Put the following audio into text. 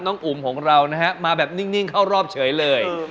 อุ๋มของเรานะฮะมาแบบนิ่งเข้ารอบเฉยเลย